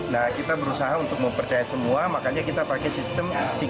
nah kita berusaha untuk mempercaya semua makanya kita pakai sistem tiga